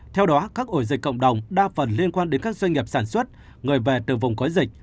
theo đó các ổ dịch cộng đồng đa phần liên quan đến các doanh nghiệp sản xuất người về từ vùng có dịch